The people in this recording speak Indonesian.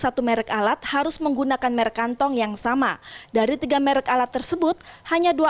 satu merek alat harus menggunakan merek kantong yang sama dari tiga merek alat tersebut hanya dua